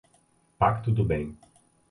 Pacto do bem